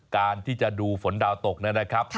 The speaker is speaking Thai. การที่จะดูฝนดาวตกนะครับ